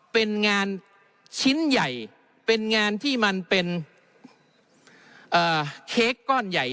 เป็นงานชิ้นใหญ่เป็นงานที่มันเป็นเค้กก้อนใหญ่